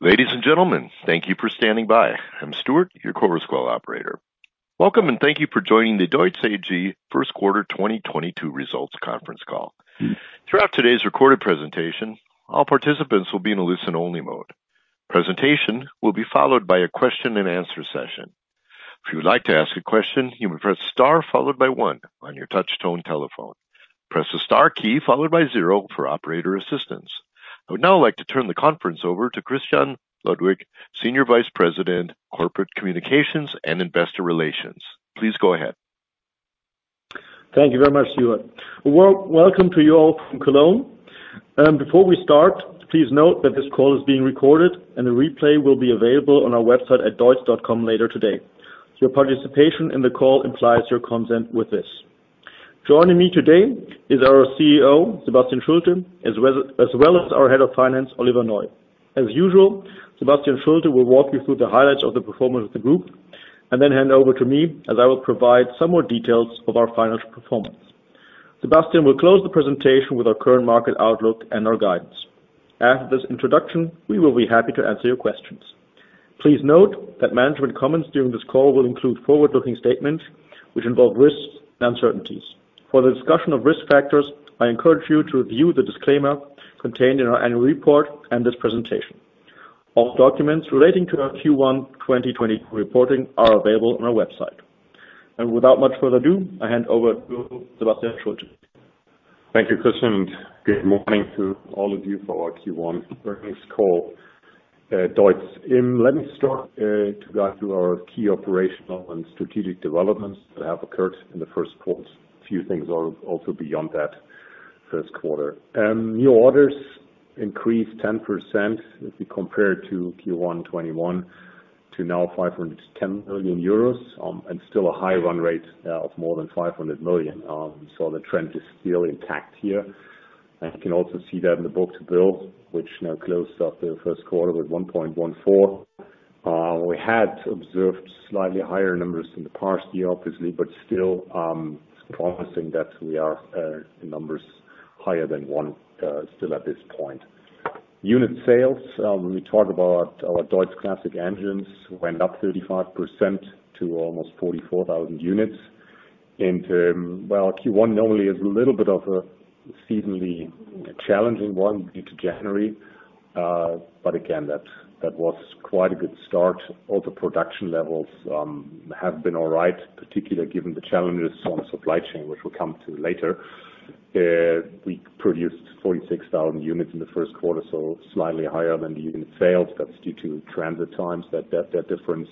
Ladies and gentlemen, thank you for standing by. I'm Stuart, your operator. Welcome, and thank you for joining the DEUTZ AG First Quarter 2022 Results Conference Call. Throughout today's recorded presentation, all participants will be in a listen-only mode. Presentation will be followed by a question-and-answer session. If you would like to ask a question, you may press star followed by one on your touch-tone telephone. Press the star key followed by zero for operator assistance. I would now like to turn the conference over to Christian Ludwig, Senior Vice President, Corporate Communications and Investor Relations. Please go ahead. Thank you very much, Stuart. Welcome to you all from Cologne. Before we start, please note that this call is being recorded, and the replay will be available on our website at deutz.com later today. Your participation in the call implies your consent with this. Joining me today is our CEO, Sebastian Schulte, as well as our Head of Finance, Oliver Neu. As usual, Sebastian Schulte will walk you through the highlights of the performance of the group and then hand over to me, as I will provide some more details of our financial performance. Sebastian will close the presentation with our current market outlook and our guidance. After this introduction, we will be happy to answer your questions. Please note that management comments during this call will include forward-looking statements which involve risks and uncertainties. For the discussion of risk factors, I encourage you to review the disclaimer contained in our annual report and this presentation. All documents relating to our Q1 2022 reporting are available on our website. Without much further ado, I hand over to Sebastian Schulte. Thank you, Christian, and good morning to all of you for our Q1 earnings call at DEUTZ. Let me start to go through our key operational and strategic developments that have occurred in the first quarter. A few things also beyond that first quarter. New orders increased 10% if we compare to Q1 2021 to now 510 million euros and still a high run rate of more than 500 million. The trend is still intact here. I can also see that in the book-to-bill, which now closed up the first quarter with 1.14. We had observed slightly higher numbers in the past year, obviously, but still promising that we are in numbers higher than one still at this point. Unit sales, when we talk about our DEUTZ Classic Engines, went up 35% to almost 44,000 units. While Q1 normally is a little bit of a seasonally challenging one due to January, that was quite a good start. All the production levels have been all right, particularly given the challenges on supply chain, which we'll come to later. We produced 46,000 units in the first quarter, so slightly higher than the unit sales. That is due to transit times, that difference.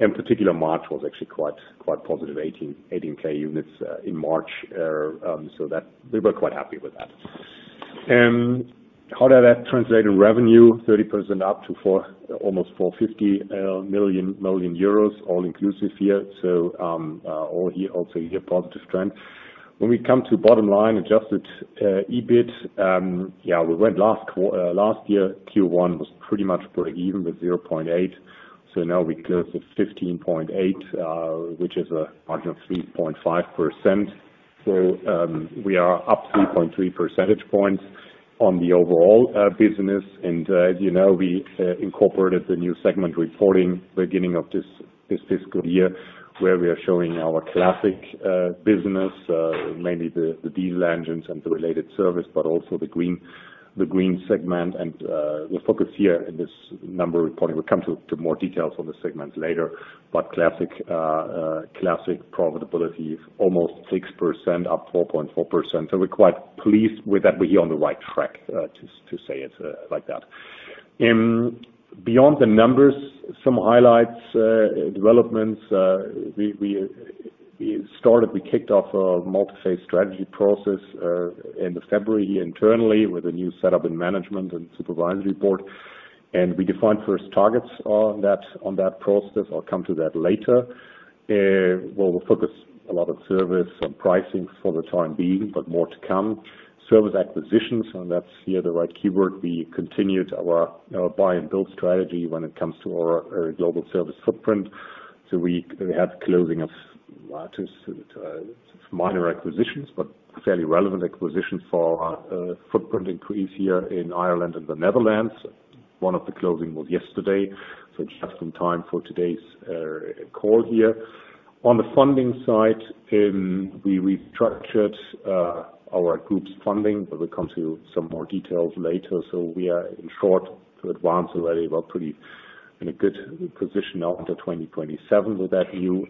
Particularly March was actually quite positive, 18,000 units in March. We were quite happy with that. How did that translate in revenue? 30% up to almost 450 million euros all-inclusive here. Also a positive trend. When we come to bottom line adjusted EBIT, we went last year, Q1 was pretty much break even with 0.8. Now we closed at 15.8, which is a margin of 3.5%. We are up 3.3 percentage points on the overall business. As you know, we incorporated the new segment reporting beginning of this fiscal year, where we are showing our classic business, mainly the diesel engines and the related service, but also the green segment. The focus here in this number reporting, we'll come to more details on the segments later, but classic profitability is almost 6%, up 4.4%. We are quite pleased with that. We are here on the right track to say it like that. Beyond the numbers, some highlights, developments. We started, we kicked off a multi-phase strategy process in February internally with a new setup in management and supervisory board. We defined first targets on that process. I'll come to that later. We will focus a lot on service and pricing for the time being, but more to come. Service acquisitions, and that's here the right keyword. We continued our buy and build strategy when it comes to our global service footprint. We had closing of minor acquisitions, but fairly relevant acquisitions for footprint increase here in Ireland and the Netherlands. One of the closing was yesterday, just in time for today's call here. On the funding side, we restructured our group's funding, but we'll come to some more details later. We are, in short, already in a good position now into 2027 with that new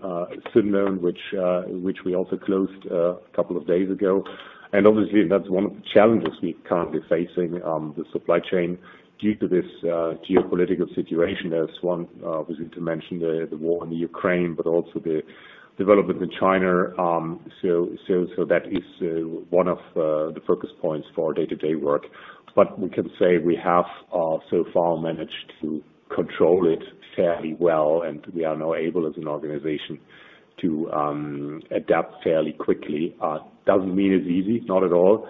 syndicated loan, which we also closed a couple of days ago. Obviously, that's one of the challenges we're currently facing, the supply chain due to this geopolitical situation. There's one, obviously, to mention the war in Ukraine, but also the development in China. That is one of the focus points for our day-to-day work. We can say we have so far managed to control it fairly well, and we are now able as an organization to adapt fairly quickly. It does not mean it is easy, not at all.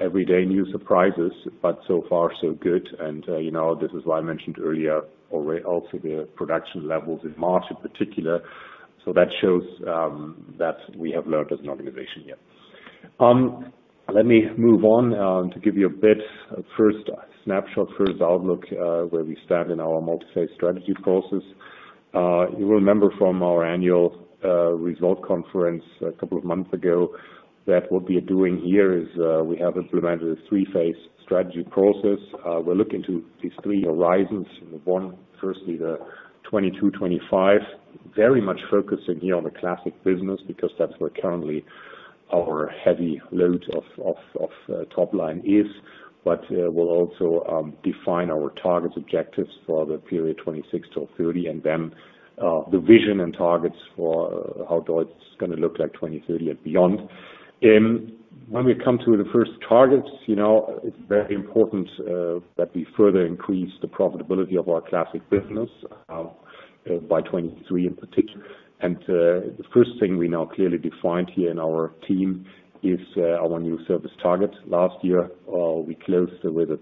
Every day new surprises, but so far so good. This is why I mentioned earlier also the production levels in March in particular. That shows that we have learned as an organization here. Let me move on to give you a bit of first snapshot, first outlook where we stand in our multi-phase strategy process. You will remember from our annual result conference a couple of months ago that what we are doing here is we have implemented a three-phase strategy process. We are looking to these three horizons. One, firstly, the 2022-2025, very much focusing here on the classic business because that is where currently our heavy load of top line is. We will also define our target objectives for the period 2026 to 2030, and then the vision and targets for how DEUTZ is going to look like 2023 and beyond. When we come to the first targets, it is very important that we further increase the profitability of our classic business by 2023 in particular. The first thing we now clearly defined here in our team is our new service target. Last year, we closed with a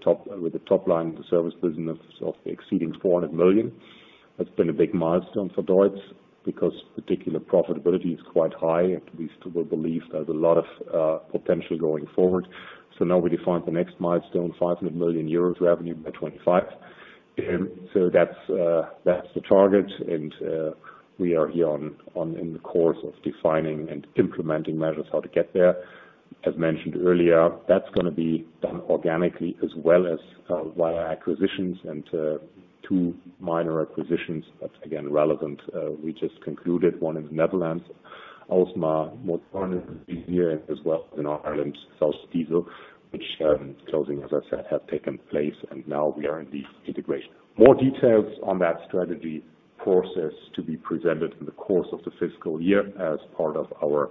top line in the service business of exceeding 400 million. That has been a big milestone for DEUTZ because particular profitability is quite high. At least we believe there is a lot of potential going forward. Now we define the next milestone, 500 million euros revenue by 2025. That is the target. We are here in the course of defining and implementing measures how to get there. As mentioned earlier, that's going to be done organically as well as via acquisitions and two minor acquisitions that, again, are relevant. We just concluded one in the Netherlands, Ausma more currently here as well as in Ireland, South Diesel, which closing, as I said, have taken place. Now we are in the integration. More details on that strategy process to be presented in the course of the fiscal year as part of our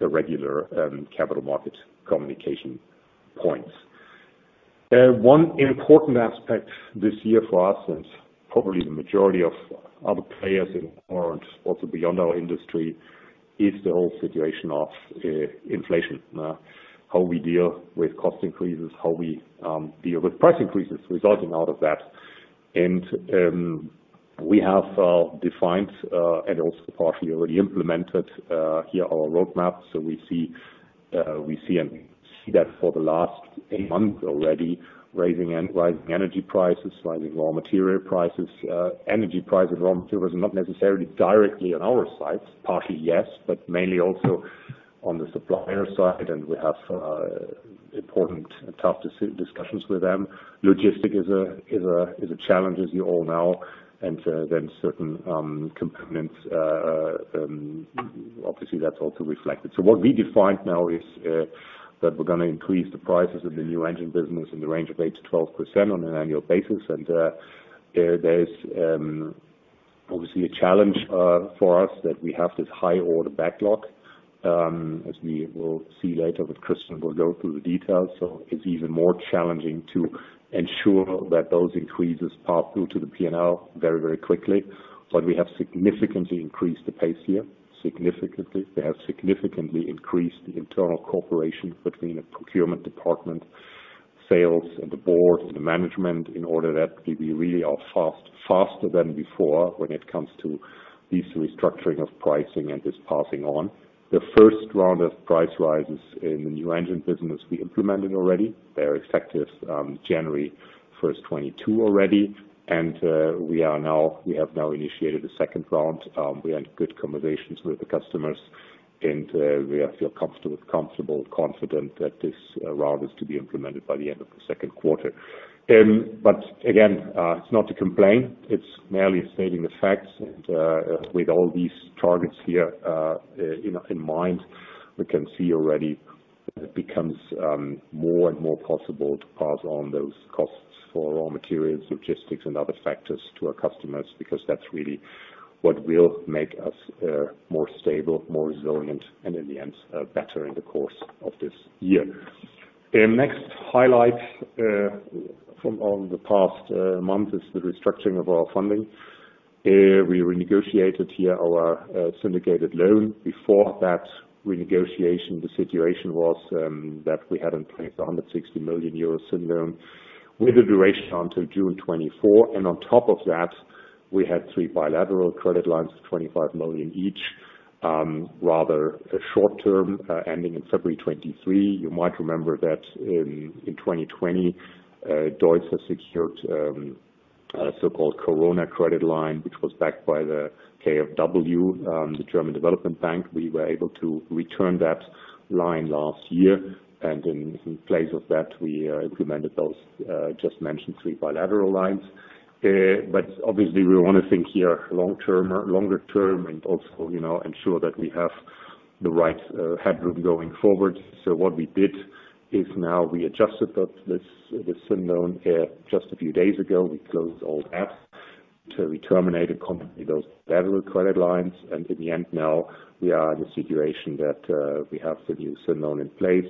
regular capital market communication points. One important aspect this year for us, and probably the majority of other players in our world, also beyond our industry, is the whole situation of inflation, how we deal with cost increases, how we deal with price increases resulting out of that. We have defined and also partially already implemented here our roadmap. We see that for the last month already, rising energy prices, rising raw material prices. Energy prices and raw materials are not necessarily directly on our side, partially yes, but mainly also on the supplier side. We have important and tough discussions with them. Logistic is a challenge, as you all know, and then certain components, obviously, that's also reflected. What we defined now is that we're going to increase the prices of the new engine business in the range of 8%-12% on an annual basis. There's obviously a challenge for us that we have this high order backlog, as we will see later with Christian, we'll go through the details. It's even more challenging to ensure that those increases pass through to the P&L very, very quickly. We have significantly increased the pace here, significantly. We have significantly increased the internal cooperation between the procurement department, sales, and the board and the management in order that we really are faster than before when it comes to this restructuring of pricing and this passing on. The first round of price rises in the new engine business we implemented already. They are effective January 1, 2022 already. We have now initiated a second round. We are in good conversations with the customers, and we feel comfortable, confident that this round is to be implemented by the end of the second quarter. It is not to complain. It is merely stating the facts. With all these targets here in mind, we can see already that it becomes more and more possible to pass on those costs for raw materials, logistics, and other factors to our customers because that's really what will make us more stable, more resilient, and in the end, better in the course of this year. The next highlight from the past month is the restructuring of our funding. We renegotiated here our syndicated loan. Before that renegotiation, the situation was that we had in place a 160 million euros syndicate with a duration until June 2024. On top of that, we had three bilateral credit lines of 25 million each, rather short-term, ending in February 2023. You might remember that in 2020, DEUTZ has secured a so-called Corona credit line, which was backed by the KfW, the German development bank. We were able to return that line last year. In place of that, we implemented those just mentioned three bilateral lines. Obviously, we want to think here longer term and also ensure that we have the right headroom going forward. What we did is now we adjusted the syndicated loan just a few days ago. We closed all that. We terminated those bilateral credit lines. In the end now, we are in a situation that we have the new syndicated loan in place,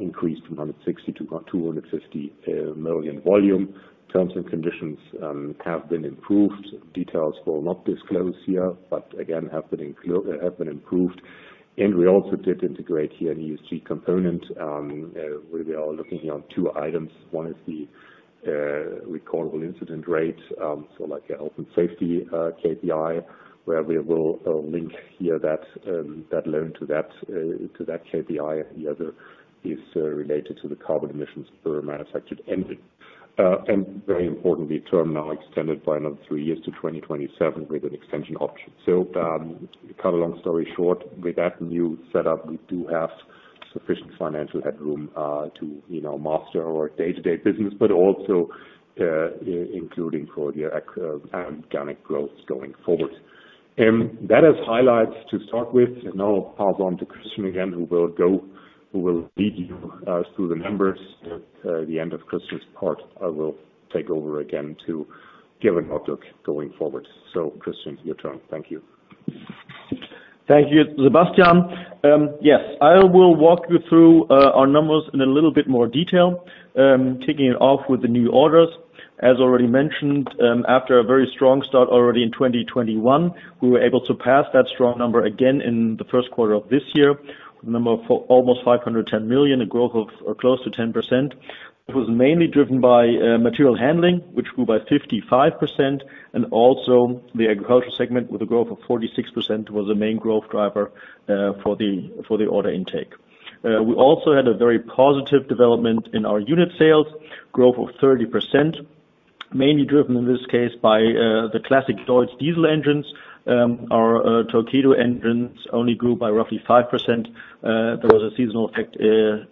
increased from 160 million to 250 million volume. Terms and conditions have been improved. Details will not be disclosed here, but again, have been improved. We also did integrate here an ESG component where we are looking here on two items. One is the recordable incident rate, like an open safety KPI, where we will link that loan to that KPI that is related to the carbon emissions per manufactured engine. Very importantly, term now extended by another three years to 2027 with an extension option. To cut a long story short, with that new setup, we do have sufficient financial headroom to master our day-to-day business, but also including for the organic growth going forward. That is highlights to start with. Now I'll pass on to Christian again, who will lead you through the numbers. At the end of Christian's part, I will take over again to give a look going forward. Christian, your turn. Thank you. Thank you, Sebastian. Yes, I will walk you through our numbers in a little bit more detail, taking it off with the new orders. As already mentioned, after a very strong start already in 2021, we were able to pass that strong number again in the first quarter of this year, a number of almost 510 million, a growth of close to 10%. It was mainly driven by material handling, which grew by 55%. Also the agricultural segment with a growth of 46% was a main growth driver for the order intake. We also had a very positive development in our unit sales, growth of 30%, mainly driven in this case by the classic DEUTZ diesel engines. Our Torqeedo engines only grew by roughly 5%. There was a seasonal effect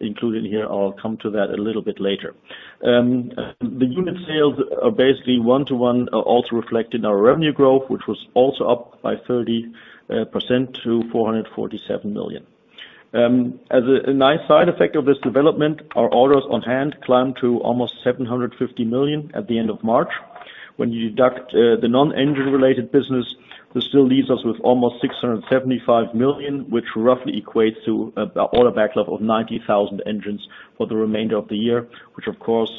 included here. I'll come to that a little bit later. The unit sales are basically one-to-one also reflected in our revenue growth, which was also up by 30% to 447 million. As a nice side effect of this development, our orders on hand climbed to almost 750 million at the end of March. When you deduct the non-engine-related business, this still leaves us with almost 675 million, which roughly equates to an order backlog of 90,000 engines for the remainder of the year, which of course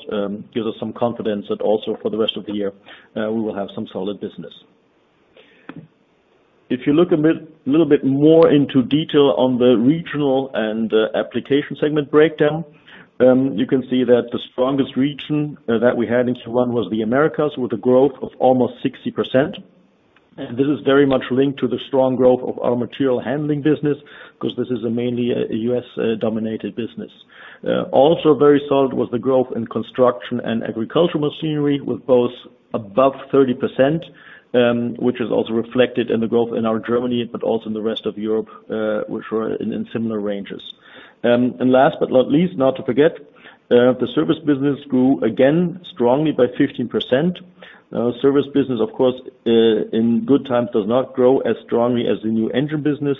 gives us some confidence that also for the rest of the year, we will have some solid business. If you look a little bit more into detail on the regional and application segment breakdown, you can see that the strongest region that we had in Q1 was the Americas with a growth of almost 60%. This is very much linked to the strong growth of our material handling business because this is mainly a US-dominated business. Also very solid was the growth in construction and agricultural machinery with both above 30%, which is also reflected in the growth in our Germany, but also in the rest of Europe, which were in similar ranges. Last but not least, not to forget, the service business grew again strongly by 15%. Service business, of course, in good times does not grow as strongly as the new engine business,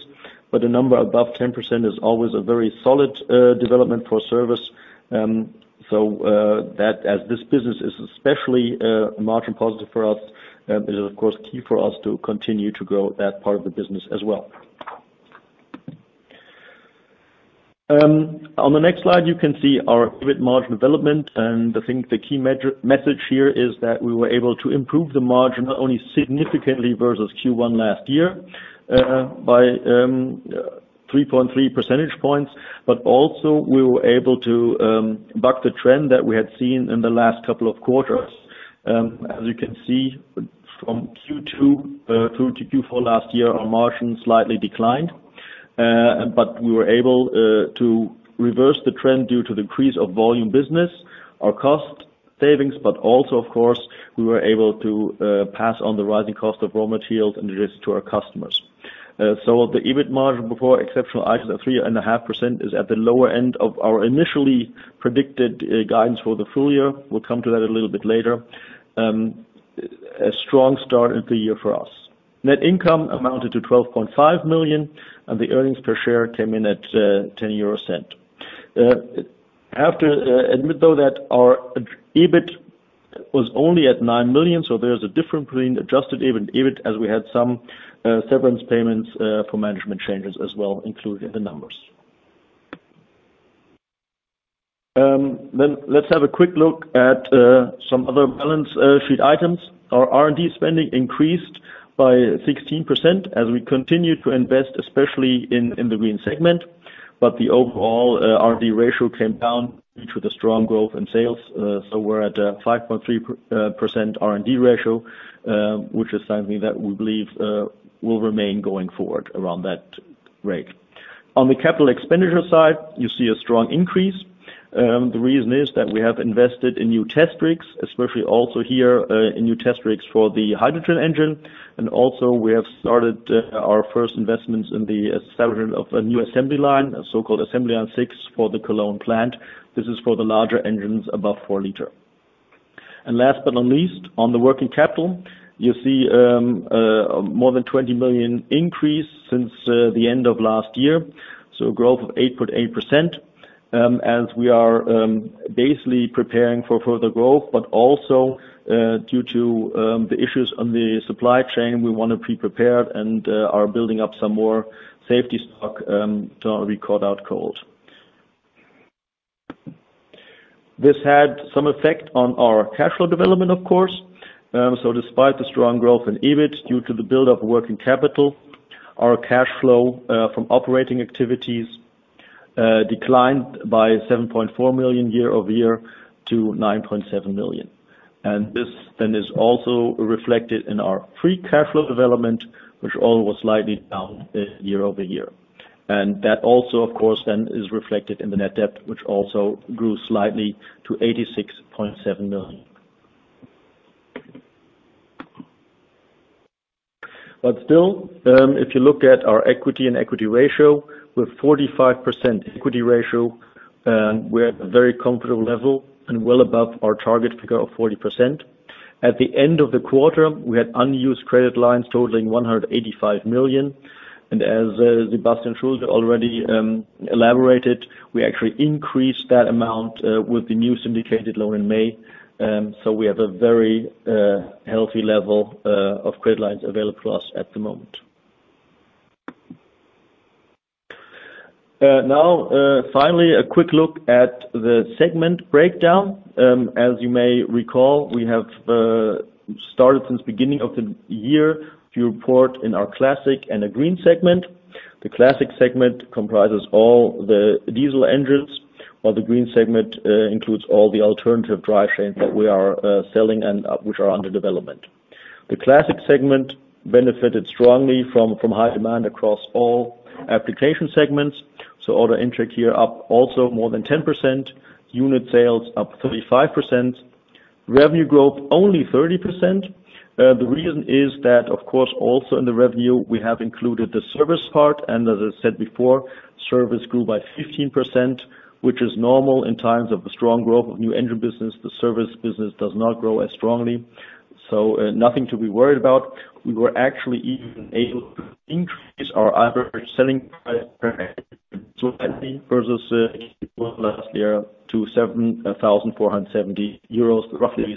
but a number above 10% is always a very solid development for service. As this business is especially margin positive for us, it is of course key for us to continue to grow that part of the business as well. On the next slide, you can see our EBIT margin development. I think the key message here is that we were able to improve the margin not only significantly versus Q1 last year by 3.3 percentage points, but also we were able to buck the trend that we had seen in the last couple of quarters. As you can see, from Q2 through to Q4 last year, our margin slightly declined. We were able to reverse the trend due to the increase of volume business, our cost savings, but also, of course, we were able to pass on the rising cost of raw materials and the risk to our customers. The EBIT margin before exceptional items at 3.5% is at the lower end of our initially predicted guidance for the full year. We will come to that a little bit later. A strong start into the year for us. Net income amounted to 12.5 million, and the earnings per share came in at 0.10. I admit, though, that our EBIT was only at 9 million. There is a difference between adjusted EBIT and EBIT as we had some severance payments for management changes as well, including the numbers. Let's have a quick look at some other balance sheet items. Our R&D spending increased by 16% as we continue to invest, especially in the green segment. The overall R&D ratio came down due to the strong growth in sales. We are at a 5.3% R&D ratio, which is something that we believe will remain going forward around that rate. On the capital expenditure side, you see a strong increase. The reason is that we have invested in new test rigs, especially also here in new test rigs for the hydrogen engine. We have started our first investments in the establishment of a new assembly line, a so-called assembly line 6 for the Cologne plant. This is for the larger engines above 4 liters. Last but not least, on the working capital, you see more than 20 million increase since the end of last year. A growth of 8.8% as we are basically preparing for further growth. Also due to the issues on the supply chain, we want to be prepared and are building up some more safety stock to not be caught out cold. This had some effect on our cash flow development, of course. Despite the strong growth in EBIT due to the build-up of working capital, our cash flow from operating activities declined by 7.4 million year over year to 9.7 million. This then is also reflected in our free cash flow development, which all was slightly down year over year. That also, of course, then is reflected in the net debt, which also grew slightly to 86.7 million. Still, if you look at our equity and equity ratio, with 45% equity ratio, we're at a very comfortable level and well above our target figure of 40%. At the end of the quarter, we had unused credit lines totaling 185 million. As Sebastian Schulte already elaborated, we actually increased that amount with the new syndicated loan in May. We have a very healthy level of credit lines available to us at the moment. Finally, a quick look at the segment breakdown. As you may recall, we have started since the beginning of the year to report in our classic and a green segment. The classic segment comprises all the diesel engines, while the green segment includes all the alternative drive chains that we are selling and which are under development. The classic segment benefited strongly from high demand across all application segments. Order intake here up also more than 10%, unit sales up 35%, revenue growth only 30%. The reason is that, of course, also in the revenue, we have included the service part. As I said before, service grew by 15%, which is normal in times of the strong growth of new engine business. The service business does not grow as strongly. Nothing to be worried about. We were actually even able to increase our average selling price per head slightly versus last year to 7,470 euros, roughly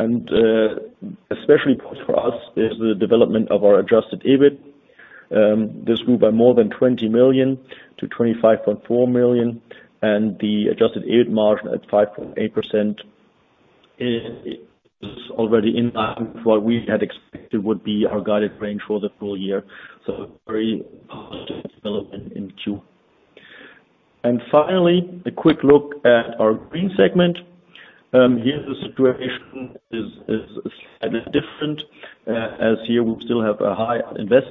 0.70. Especially important for us is the development of our adjusted EBIT. This grew by more than 20 million to 25.4 million. The adjusted EBIT margin at 5.8% is already in line with what we had expected would be our guided range for the full year. Very positive development in Q1. Finally, a quick look at our green segment. Here the situation is slightly different as here we still have a high invest.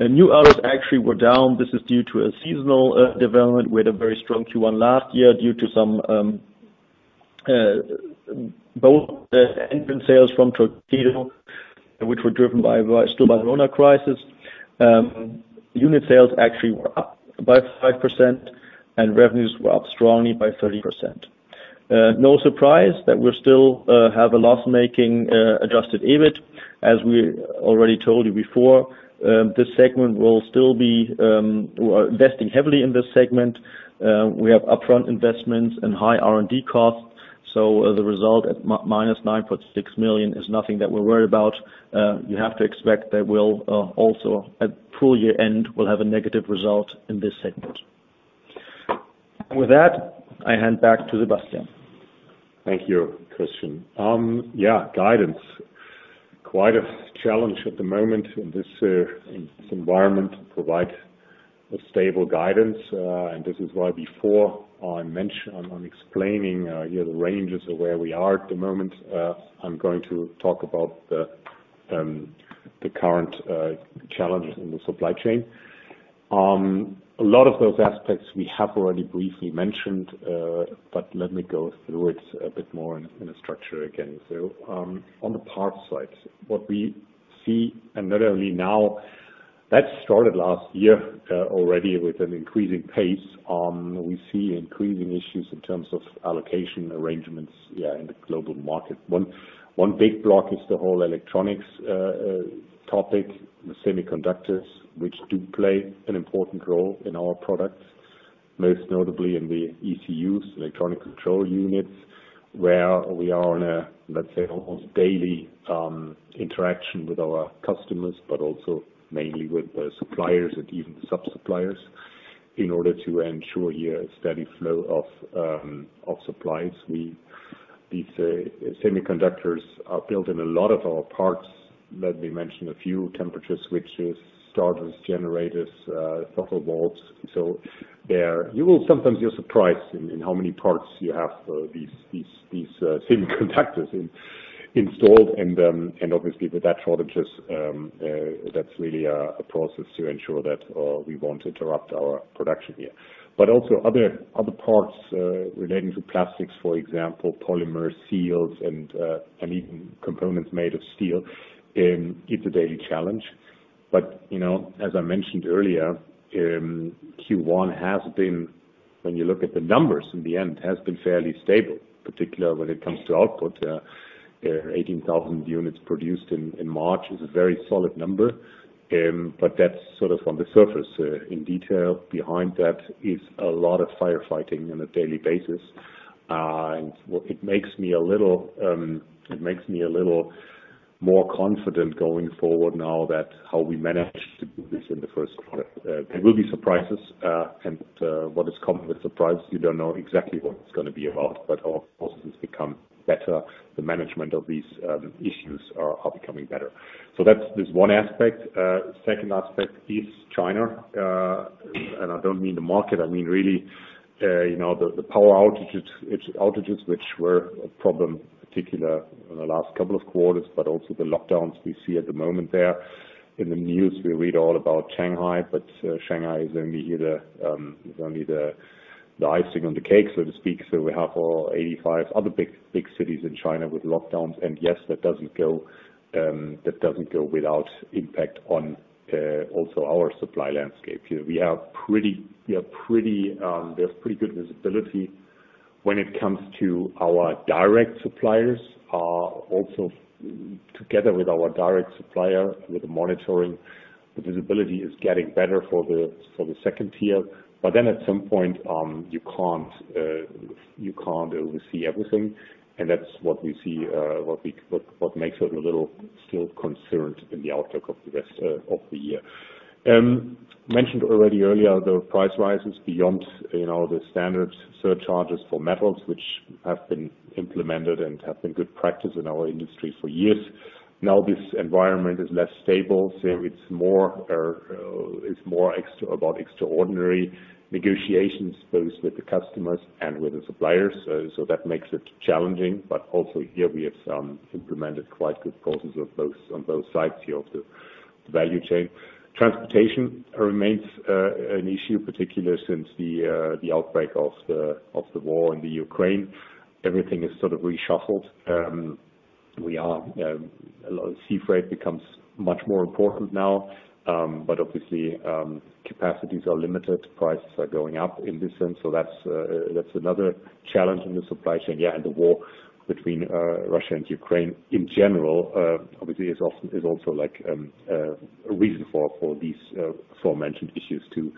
New orders actually were down. This is due to a seasonal development. We had a very strong Q1 last year due to some engine sales from Torqeedo, which were driven still by the loaner crisis. Unit sales actually were up by 5%, and revenues were up strongly by 30%. No surprise that we still have a loss-making adjusted EBIT. As we already told you before, this segment will still be investing heavily in this segment. We have upfront investments and high R&D costs. The result at minus 9.6 million is nothing that we're worried about. You have to expect that we'll also at full year end will have a negative result in this segment. With that, I hand back to Sebastian. Thank you, Christian. Yeah, guidance. Quite a challenge at the moment in this environment to provide a stable guidance. This is why before I mentioned on explaining the ranges of where we are at the moment, I'm going to talk about the current challenges in the supply chain. A lot of those aspects we have already briefly mentioned, but let me go through it a bit more in a structure again. On the parts side, what we see, and not only now, that started last year already with an increasing pace. We see increasing issues in terms of allocation arrangements in the global market. One big block is the whole electronics topic, the semiconductors, which do play an important role in our products, most notably in the ECUs, electronic control units, where we are on a, let's say, almost daily interaction with our customers, but also mainly with the suppliers and even the subsuppliers in order to ensure here a steady flow of supplies. These semiconductors are built in a lot of our parts. Let me mention a few: temperature switches, starters, generators, throttle valves. You will sometimes be surprised in how many parts you have these semiconductors installed. Obviously, with that shortage, that's really a process to ensure that we won't interrupt our production here. Also, other parts relating to plastics, for example, polymer seals and even components made of steel is a daily challenge. As I mentioned earlier, Q1 has been, when you look at the numbers in the end, fairly stable, particularly when it comes to output. 18,000 units produced in March is a very solid number. That is sort of on the surface. In detail, behind that is a lot of firefighting on a daily basis. It makes me a little more confident going forward now that how we managed to do this in the first quarter. There will be surprises. What has come with surprises, you do not know exactly what it is going to be about. Of course, as it has become better, the management of these issues is becoming better. That is one aspect. The second aspect is China. I do not mean the market. I mean really the power outages, which were a problem, particularly in the last couple of quarters, but also the lockdowns we see at the moment there. In the news, we read all about Shanghai, but Shanghai is only the icing on the cake, so to speak. We have all 85 other big cities in China with lockdowns. Yes, that does not go without impact on also our supply landscape. We have pretty good visibility when it comes to our direct suppliers. Also, together with our direct supplier, with the monitoring, the visibility is getting better for the second tier. At some point, you cannot oversee everything. That is what we see, what makes us a little still concerned in the outlook of the rest of the year. Mentioned already earlier, the price rises beyond the standard surcharges for metals, which have been implemented and have been good practice in our industry for years. Now this environment is less stable. It is more about extraordinary negotiations, both with the customers and with the suppliers. That makes it challenging. Also here, we have implemented quite good processes on both sides here of the value chain. Transportation remains an issue, particularly since the outbreak of the war in Ukraine. Everything is sort of reshuffled. Sea freight becomes much more important now. Obviously, capacities are limited. Prices are going up in this sense. That is another challenge in the supply chain. Yeah, and the war between Russia and Ukraine in general, obviously, is also a reason for these aforementioned issues to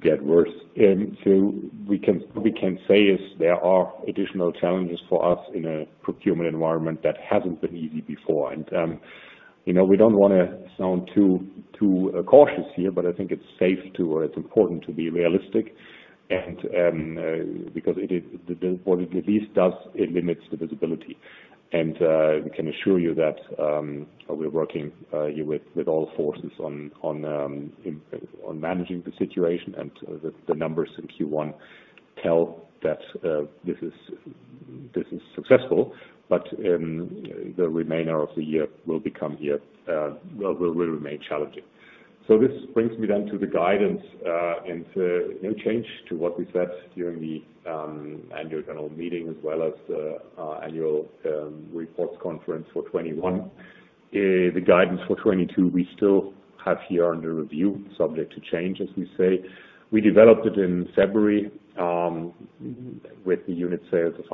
get worse. We can say there are additional challenges for us in a procurement environment that hasn't been easy before. We don't want to sound too cautious here, but I think it's safe to, or it's important to be realistic. Because what it at least does, it limits the visibility. We can assure you that we're working here with all forces on managing the situation. The numbers in Q1 tell that this is successful. The remainder of the year will remain challenging. This brings me then to the guidance. No change to what we said during the annual general meeting as well as the annual reports conference for 2021. The guidance for 2022, we still have here under review, subject to change, as we say. We developed it in February with the unit sales of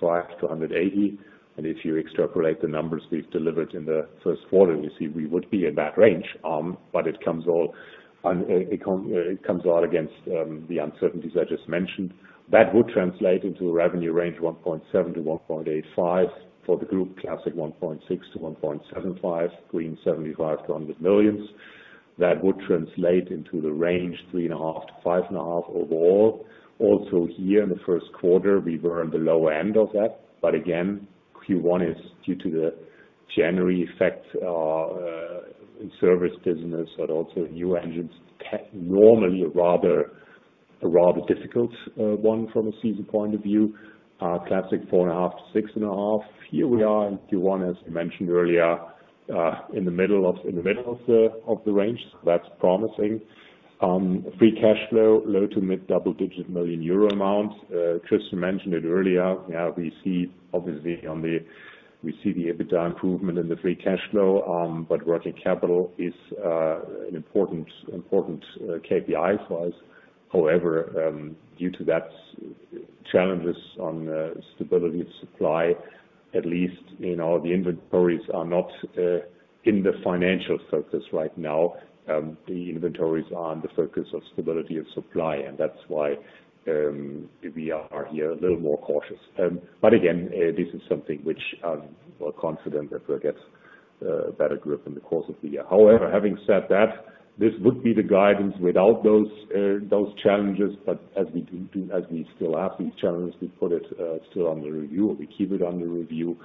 165,000-180,000. If you extrapolate the numbers we've delivered in the first quarter, we see we would be in that range. It comes all against the uncertainties I just mentioned. That would translate into a revenue range of 1.7 billion-1.85 billion for the group, classic 1.6 billion-1.75 billion, green 75 million-100 million. That would translate into the range 3.5 million-5.5 million overall. Also here, in the first quarter, we were on the lower end of that. Q1 is due to the January effect in service business, but also new engines, normally a rather difficult one from a season point of view. Classic 4.5 million-6.5 million. Here we are in Q1, as I mentioned earlier, in the middle of the range. That's promising. Free cash flow, low to mid double-digit million euro amounts. Christian mentioned it earlier. Yeah, we see obviously we see the EBITDA improvement in the free cash flow. Working capital is an important KPI for us. However, due to the challenges on stability of supply, at least in all the inventories are not in the financial focus right now. The inventories are in the focus of stability of supply. That is why we are here a little more cautious. Again, this is something which I'm confident that we'll get a better grip on in the course of the year. However, having said that, this would be the guidance without those challenges. As we still have these challenges, we put it still under review. We keep it under review.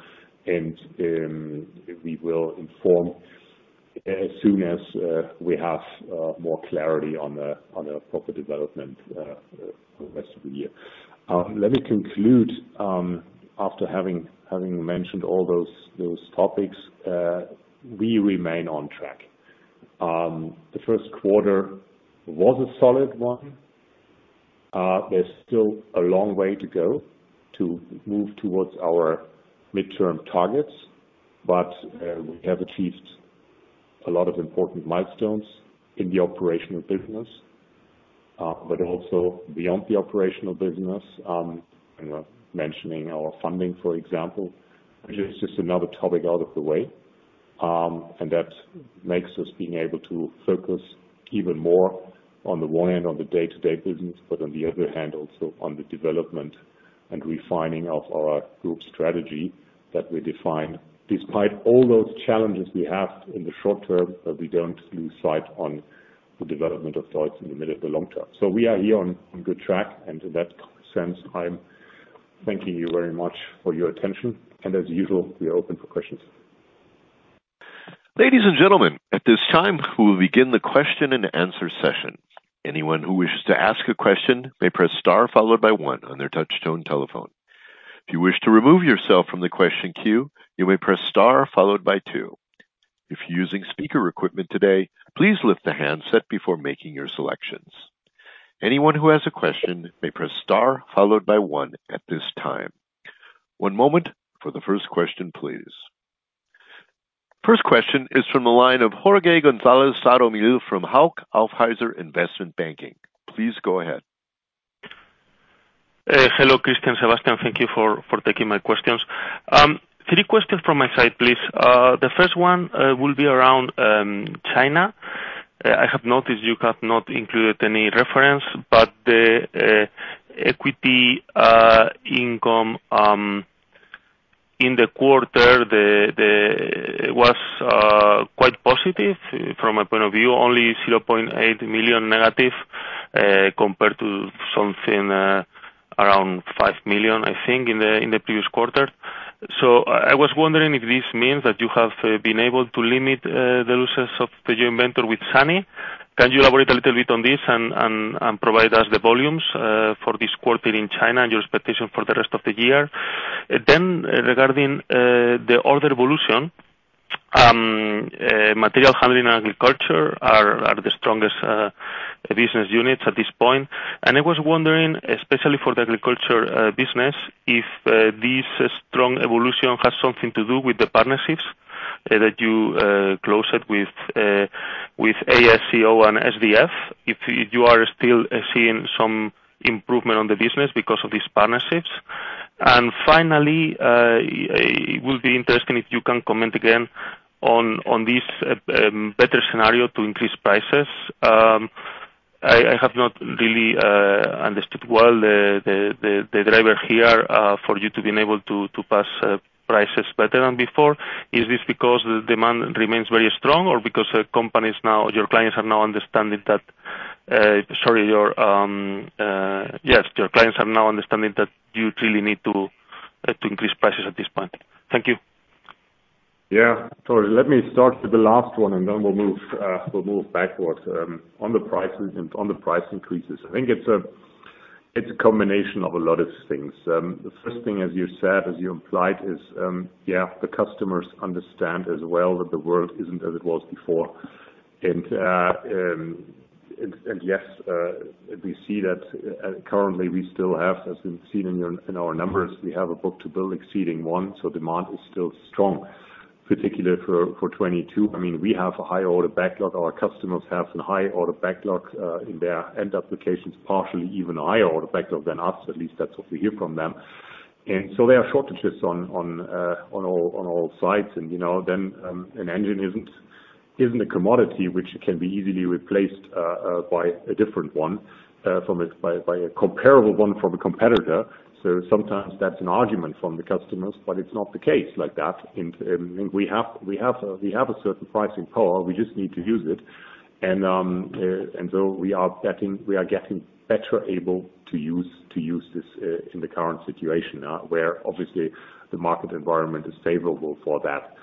We will inform as soon as we have more clarity on the proper development for the rest of the year. Let me conclude after having mentioned all those topics. We remain on track. The first quarter was a solid one. There's still a long way to go to move towards our midterm targets. We have achieved a lot of important milestones in the operational business, but also beyond the operational business. I'm mentioning our funding, for example, which is just another topic out of the way. That makes us being able to focus even more on the one end on the day-to-day business, but on the other hand, also on the development and refining of our group strategy that we define. Despite all those challenges we have in the short term, we don't lose sight on the development of DEUTZ in the middle of the long term. We are here on good track. In that sense, I'm thanking you very much for your attention. As usual, we are open for questions. Ladies and gentlemen, at this time, we will begin the question and answer session. Anyone who wishes to ask a question may press star followed by one on their touchstone telephone. If you wish to remove yourself from the question queue, you may press star followed by two. If you're using speaker equipment today, please lift the handset before making your selections. Anyone who has a question may press star followed by one at this time. One moment for the first question, please. First question is from the line of Jorge González Sadornil from Hauck Aufhäuser Investment Banking. Please go ahead. Hello, Christian, Sebastian. Thank you for taking my questions. Three questions from my side, please. The first one will be around China. I have noticed you have not included any reference, but the equity income in the quarter was quite positive from my point of view, only 0.8 million negative compared to something around 5 million, I think, in the previous quarter. I was wondering if this means that you have been able to limit the losses of the joint venture with SANY. Can you elaborate a little bit on this and provide us the volumes for this quarter in China and your expectation for the rest of the year? Regarding the other evolution, material handling and agriculture are the strongest business units at this point. I was wondering, especially for the agriculture business, if this strong evolution has something to do with the partnerships that you closed with ASCO and SDF, if you are still seeing some improvement on the business because of these partnerships. Finally, it will be interesting if you can comment again on this better scenario to increase prices. I have not really understood well the driver here for you to be able to pass prices better than before. Is this because the demand remains very strong or because your clients are now understanding that, sorry, yes, your clients are now understanding that you really need to increase prices at this point? Thank you. Yeah, totally. Let me start with the last one, and then we'll move backwards on the prices and on the price increases. I think it's a combination of a lot of things. The first thing, as you said, as you implied, is, yeah, the customers understand as well that the world isn't as it was before. Yes, we see that currently we still have, as we've seen in our numbers, we have a book-to-bill exceeding one. Demand is still strong, particularly for 2022. I mean, we have a high order backlog. Our customers have a high order backlog in their end applications, partially even a higher order backlog than us. At least that's what we hear from them. There are shortages on all sides. An engine is not a commodity which can be easily replaced by a different one, by a comparable one from a competitor. Sometimes that is an argument from the customers, but it is not the case like that. We have a certain pricing power. We just need to use it. We are getting better able to use this in the current situation where obviously the market environment is favorable for that.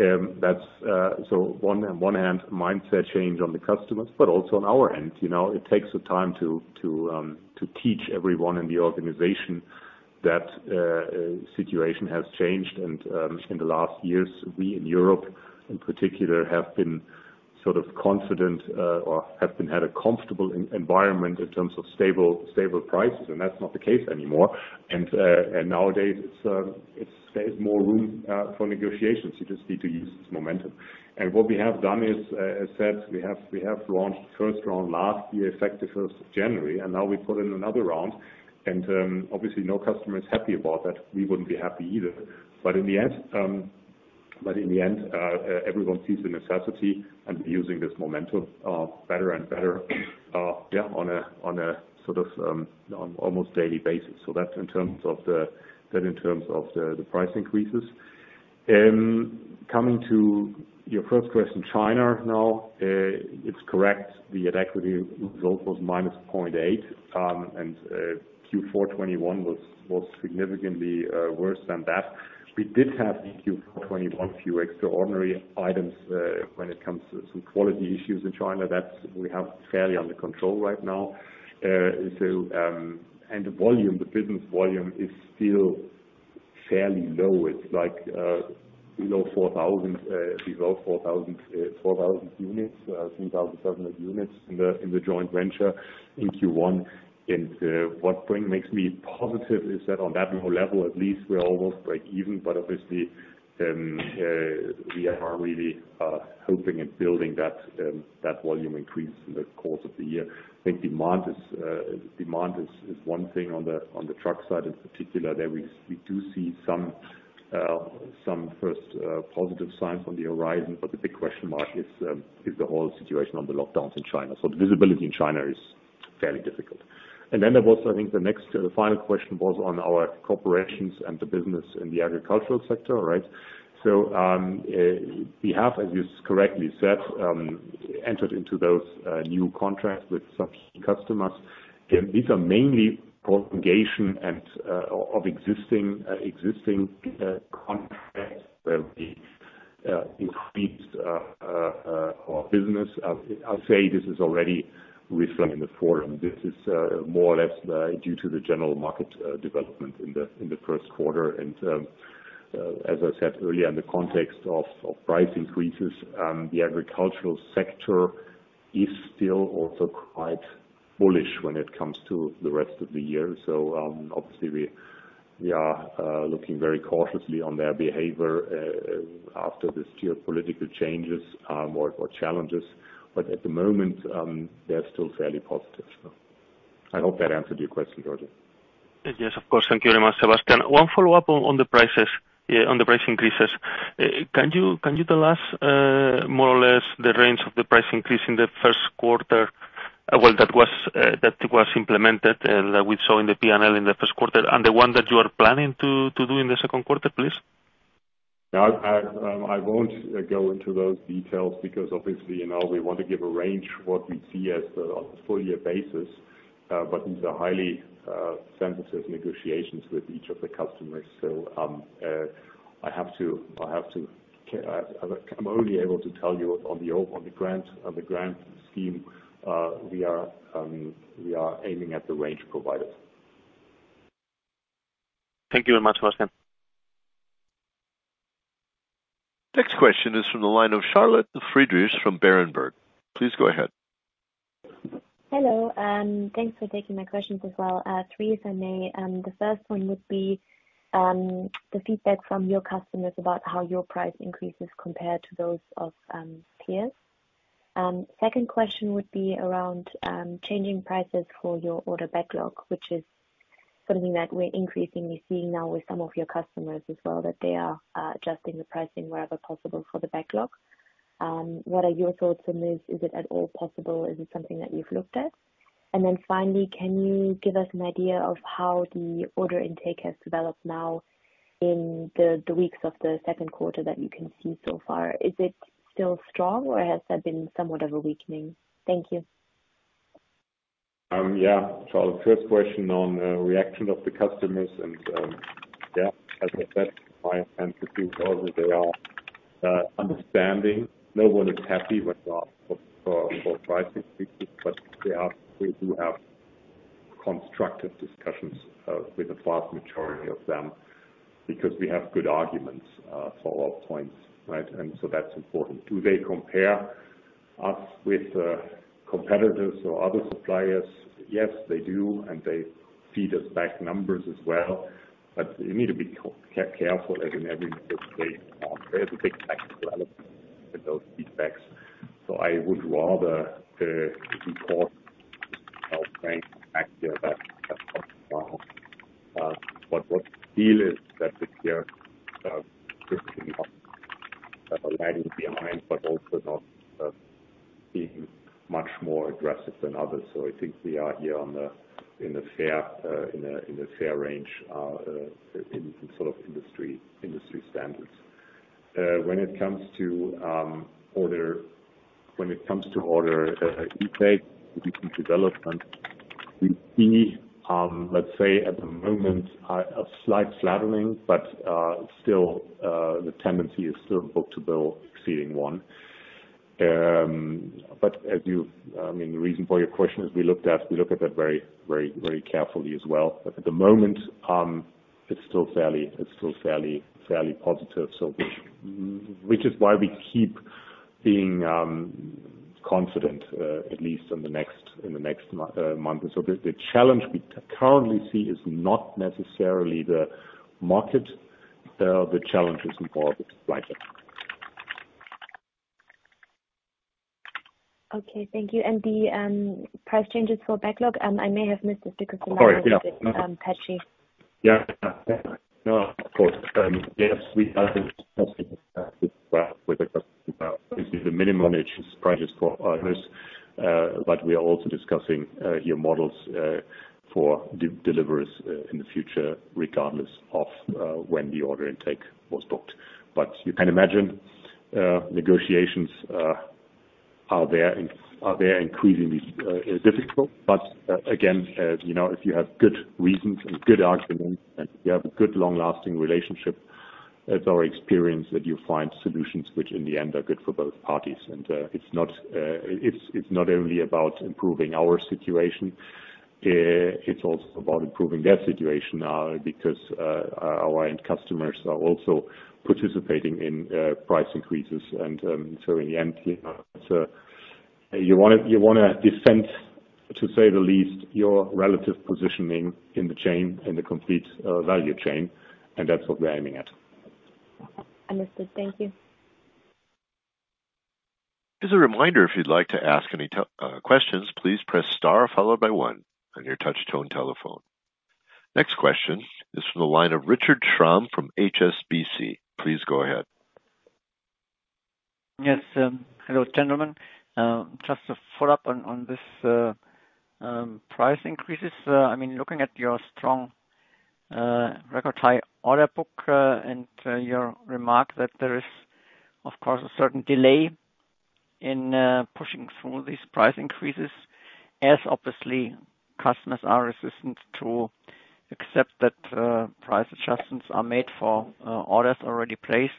On one hand, mindset change on the customers, but also on our end. It takes some time to teach everyone in the organization that the situation has changed. In the last years, we in Europe, in particular, have been sort of confident or have had a comfortable environment in terms of stable prices. That is not the case anymore. Nowadays, there is more room for negotiations. You just need to use this momentum. What we have done is, as I said, we have launched the first round last year, effective 1st of January. We put in another round. Obviously, no customer is happy about that. We would not be happy either. In the end, everyone sees the necessity and is using this momentum better and better, yeah, on a sort of almost daily basis. That is in terms of the price increases. Coming to your first question, China now, it is correct. The equity result was minus 0.8. Q4 2021 was significantly worse than that. We did have in Q4 2021 a few extraordinary items when it comes to quality issues in China. That is what we have fairly under control right now. The volume, the business volume, is still fairly low. It is below 4,000, below 4,000 units, 3,700 units in the joint venture in Q1. What makes me positive is that on that level, at least we're almost break even. Obviously, we are really hoping and building that volume increase in the course of the year. I think demand is one thing on the truck side in particular. There we do see some first positive signs on the horizon. The big question mark is the whole situation on the lockdowns in China. The visibility in China is fairly difficult. I think the next final question was on our corporations and the business in the agricultural sector, right? We have, as you correctly said, entered into those new contracts with some customers. These are mainly propagation of existing contracts where we increased our business. I'll say this is already reflected in the forum. This is more or less due to the general market development in the first quarter. As I said earlier, in the context of price increases, the agricultural sector is still also quite bullish when it comes to the rest of the year. Obviously, we are looking very cautiously on their behavior after the geopolitical changes or challenges. At the moment, they're still fairly positive. I hope that answered your question, Jorge. Yes, of course. Thank you very much, Sebastian. One follow-up on the prices, on the price increases. Can you tell us more or less the range of the price increase in the first quarter? That was implemented that we saw in the P&L in the first quarter. And the one that you are planning to do in the second quarter, please? I won't go into those details because obviously, we want to give a range of what we see as a full-year basis. These are highly sensitive negotiations with each of the customers. I have to, I have to, I'm only able to tell you on the grant scheme, we are aiming at the range provided. Thank you very much, Sebastian. Next question is from the line of Charlotte Friedrichs from Berenberg. Please go ahead. Hello. Thanks for taking my questions as well. Three, if I may. The first one would be the feedback from your customers about how your price increases compared to those of peers. Second question would be around changing prices for your order backlog, which is something that we're increasingly seeing now with some of your customers as well, that they are adjusting the pricing wherever possible for the backlog. What are your thoughts on this? Is it at all possible? Is it something that you've looked at? Finally, can you give us an idea of how the order intake has developed now in the weeks of the second quarter that you can see so far? Is it still strong or has there been somewhat of a weakening? Thank you. Yeah. Charlotte, The first question on the reaction of the customers. As I said, my sense is also they are understanding. No one is happy when you ask for pricing increases, but we do have constructive discussions with the vast majority of them because we have good arguments for our points, right? That is important. Do they compare us with competitors or other suppliers? Yes, they do. They feed us back numbers as well. You need to be careful, as in every number of states, there is a big technical element in those feedbacks. I would rather report outright back here that that is not the problem. What is real is that this year we are putting up lagging behind, but also not being much more aggressive than others. I think we are here in the fair range in sort of industry standards. When it comes to order, when it comes to order intake, we see development. We see, let's say, at the moment a slight flattening, but still the tendency is still book-to-bill exceeding one. I mean, the reason for your question is we looked at that very, very carefully as well. At the moment, it's still fairly positive, which is why we keep being confident, at least in the next month. The challenge we currently see is not necessarily the market. The challenge is more the supply chain. Okay. Thank you. The price changes for backlog, I may have missed this because the line was a bit patchy. Yeah. No, of course. Yes, we are discussing that with the customers. Obviously, the minimum issue is prices for orders. We are also discussing your models for deliveries in the future, regardless of when the order intake was booked. You can imagine negotiations are there increasingly difficult. Again, if you have good reasons and good arguments and you have a good long-lasting relationship, it's our experience that you find solutions which in the end are good for both parties. It is not only about improving our situation. It is also about improving their situation now because our end customers are also participating in price increases. In the end, you want to defend, to say the least, your relative positioning in the chain, in the complete value chain. That is what we're aiming at. Understood. Thank you. As a reminder, if you'd like to ask any questions, please press star followed by one on your touch-tone telephone. Next question is from the line of Richard Schramm from HSBC. Please go ahead. Yes. Hello, gentlemen. Just to follow up on this price increases. I mean, looking at your strong record high order book and your remark that there is, of course, a certain delay in pushing through these price increases, as obviously customers are resistant to accept that price adjustments are made for orders already placed.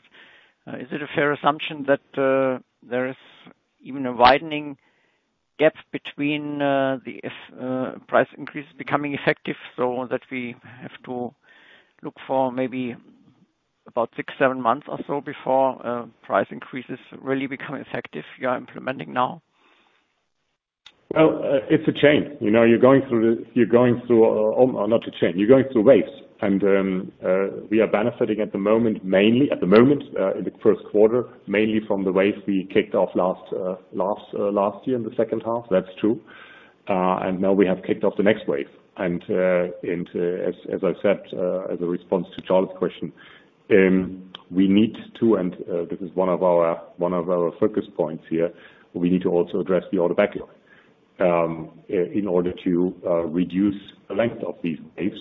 Is it a fair assumption that there is even a widening gap between the price increases becoming effective so that we have to look for maybe about six, seven months or so before price increases really become effective? You are implementing now? It's a chain. You're going through, you're going through, not a chain. You're going through waves. We are benefiting at the moment, mainly at the moment in the first quarter, mainly from the wave we kicked off last year in the second half. That's true. Now we have kicked off the next wave. As I said, as a response to Charlotte's question, we need to, and this is one of our focus points here, we need to also address the order backlog in order to reduce the length of these waves.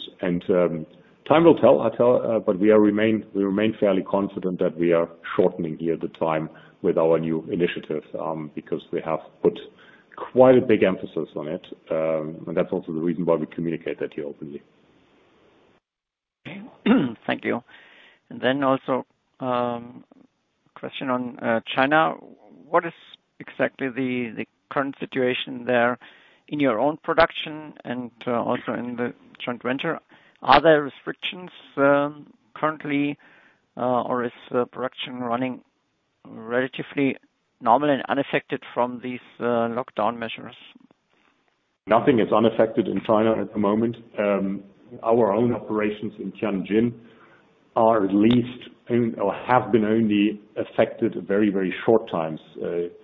Time will tell, but we remain fairly confident that we are shortening here the time with our new initiative because we have put quite a big emphasis on it. That's also the reason why we communicate that here openly. Thank you. Also, a question on China. What is exactly the current situation there in your own production and also in the joint venture? Are there restrictions currently, or is production running relatively normal and unaffected from these lockdown measures? Nothing is unaffected in China at the moment. Our own operations in Tianjin are at least, or have been only affected very, very short times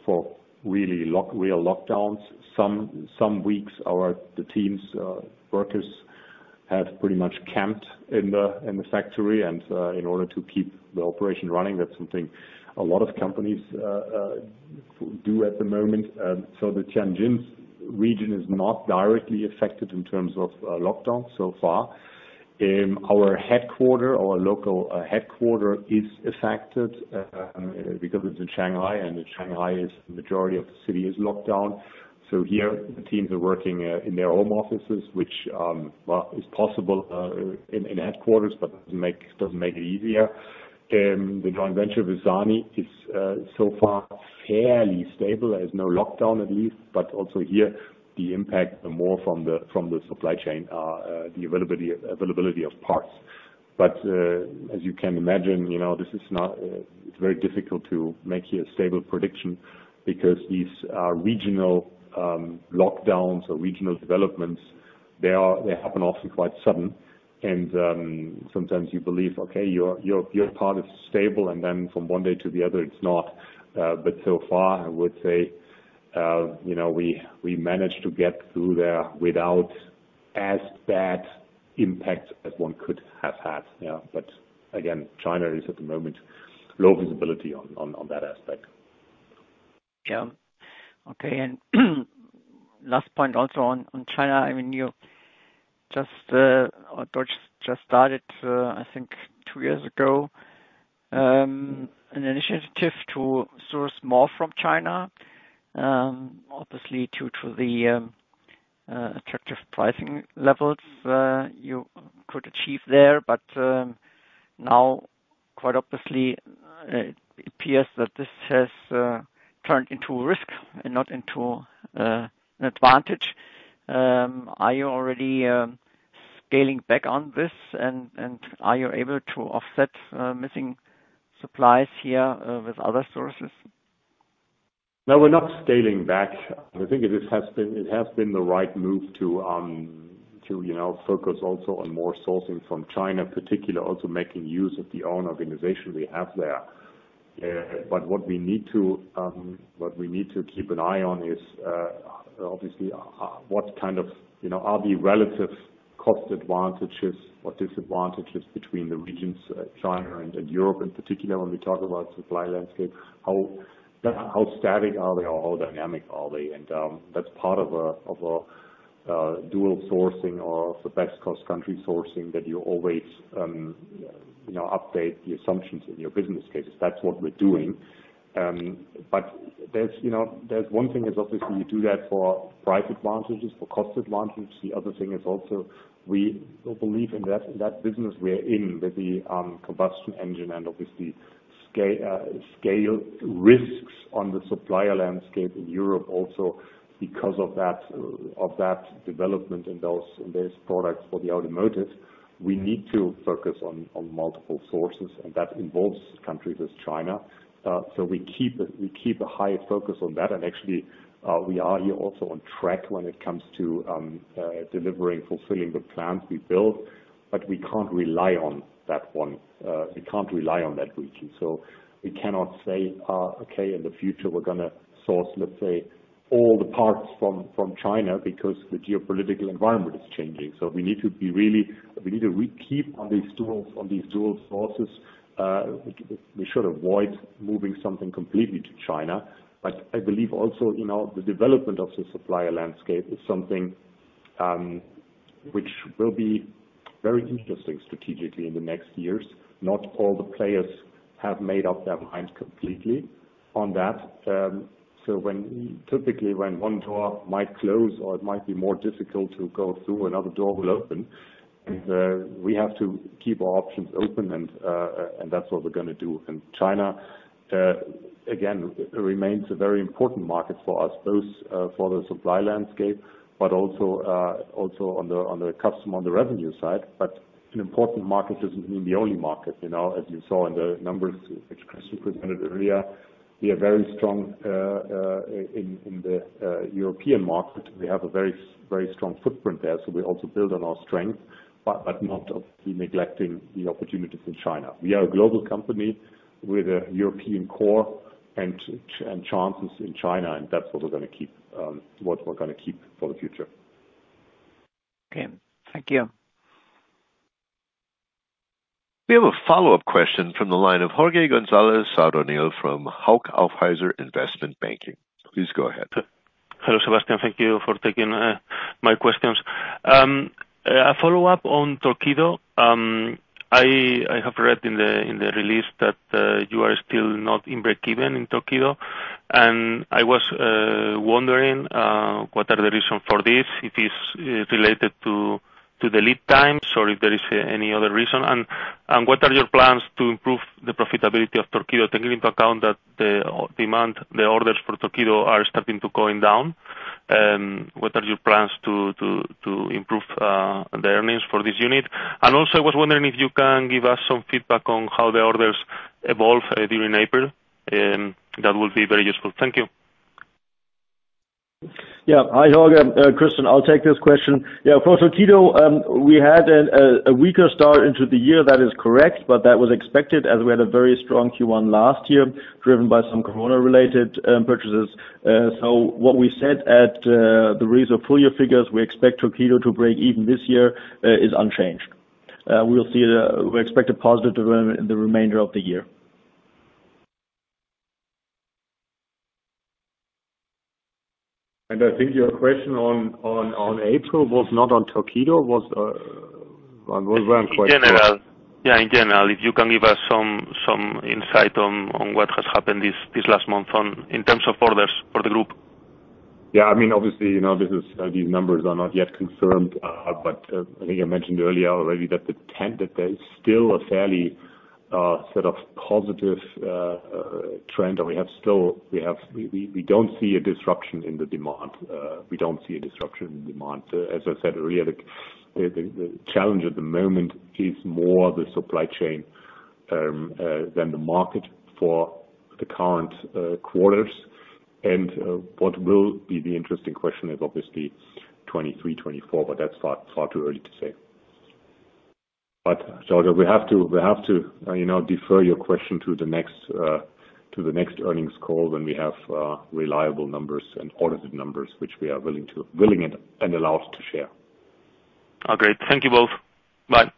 for really real lockdowns. Some weeks, the teams, workers have pretty much camped in the factory. In order to keep the operation running, that's something a lot of companies do at the moment. The Tianjin region is not directly affected in terms of lockdown so far. Our headquarter, our local headquarter is affected because it's in Shanghai. In Shanghai, the majority of the city is locked down. Here, the teams are working in their home offices, which is possible in headquarters, but doesn't make it easier. The joint venture with SANY is so far fairly stable. There's no lockdown at least. Also here, the impact is more from the supply chain, the availability of parts. As you can imagine, this is not, it's very difficult to make here a stable prediction because these regional lockdowns or regional developments, they happen often quite sudden. Sometimes you believe, okay, your part is stable. Then from one day to the other, it's not. So far, I would say we managed to get through there without as bad impact as one could have had. Again, China is at the moment low visibility on that aspect. Yeah. Okay. Last point also on China. I mean, you just started, I think, two years ago, an initiative to source more from China, obviously due to the attractive pricing levels you could achieve there. Now, quite obviously, it appears that this has turned into a risk and not into an advantage. Are you already scaling back on this? Are you able to offset missing supplies here with other sources? No, we're not scaling back. I think it has been the right move to focus also on more sourcing from China, particularly also making use of the own organization we have there. What we need to keep an eye on is obviously what kind of are the relative cost advantages or disadvantages between the regions, China and Europe in particular, when we talk about supply landscape, how static are they or how dynamic are they? That is part of a dual sourcing or the best cost country sourcing that you always update the assumptions in your business cases. That is what we're doing. There is one thing is obviously you do that for price advantages, for cost advantages. The other thing is also we believe in that business we're in with the combustion engine and obviously scale risks on the supplier landscape in Europe also because of that development in those products for the automotive. We need to focus on multiple sources. That involves countries as China. We keep a high focus on that. Actually, we are here also on track when it comes to delivering, fulfilling the plans we build. We can't rely on that one. We can't rely on that region. We cannot say, okay, in the future, we're going to source, let's say, all the parts from China because the geopolitical environment is changing. We need to be really, we need to keep on these dual sources. We should avoid moving something completely to China. I believe also the development of the supplier landscape is something which will be very interesting strategically in the next years. Not all the players have made up their mind completely on that. Typically when one door might close or it might be more difficult to go through, another door will open. We have to keep our options open. That is what we are going to do. China, again, remains a very important market for us, both for the supply landscape, but also on the customer, on the revenue side. An important market does not mean the only market. As you saw in the numbers which Christian presented earlier, we are very strong in the European market. We have a very strong footprint there. We also build on our strength, but not obviously neglecting the opportunities in China. We are a global company with a European core and chances in China. That is what we are going to keep, what we are going to keep for the future. Okay. Thank you. We have a follow-up question from the line of Jorge González Sadornil from Hauck Aufhäuser Investment Banking. Please go ahead. Hello Sebastian. Thank you for taking my questions. A follow-up on Torqeedo. I have read in the release that you are still not in break-even in Torqeedo. I was wondering what are the reasons for this, if it's related to the lead times or if there is any other reason. What are your plans to improve the profitability of Torqeedo, taking into account that the orders for Torqeedo are starting to go down? What are your plans to improve the earnings for this unit? I was also wondering if you can give us some feedback on how the orders evolve during April. That would be very useful. Thank you. Yeah. Hi, Jorge. Christian, I'll take this question. Yeah. For Torqeedo, we had a weaker start into the year. That is correct. That was expected as we had a very strong Q1 last year driven by some corona-related purchases. What we said at the reason for your figures, we expect Torqeedo to break even this year is unchanged. We expect a positive development in the remainder of the year. I think your question on April was not on Torqeedo. Was it on question? Yeah. In general, if you can give us some insight on what has happened this last month in terms of orders for the group. Yeah. I mean, obviously, these numbers are not yet confirmed. I think I mentioned earlier already that the tenth day is still a fairly sort of positive trend. We have still, we do not see a disruption in the demand. We do not see a disruption in demand. As I said earlier, the challenge at the moment is more the supply chain than the market for the current quarters. What will be the interesting question is obviously 2023, 2024, but that is far too early to say. Jorge, we have to defer your question to the next earnings call when we have reliable numbers and audited numbers, which we are willing and allowed to share. Okay. Thank you both. Bye.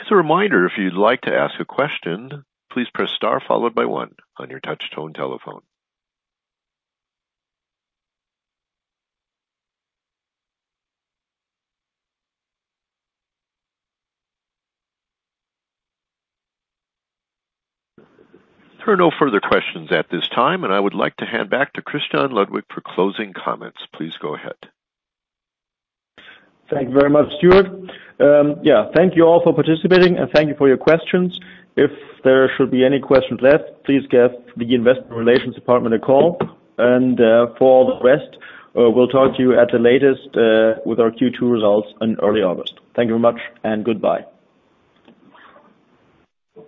As a reminder, if you'd like to ask a question, please press star followed by one on your touch-tone telephone. There are no further questions at this time. I would like to hand back to Christian Ludwig for closing comments. Please go ahead. Thank you very much, Stuart. Yeah. Thank you all for participating. Thank you for your questions. If there should be any questions left, please give the investment relations department a call. For all the rest, we'll talk to you at the latest with our Q2 results in early August. Thank you very much. Goodbye.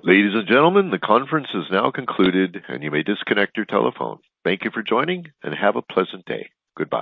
Ladies and gentlemen, the conference is now concluded, and you may disconnect your telephone. Thank you for joining, and have a pleasant day. Goodbye.